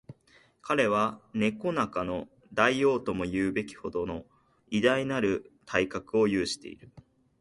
彼は猫中の大王とも云うべきほどの偉大なる体格を有している